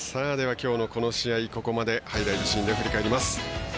きょうのこの試合、ここまでハイライトシーンで振り返ります。